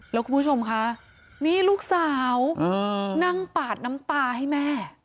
แล้วคุณผู้ชมคะนี่ลูกสาวนั่งปาดน้ำตาให้แม่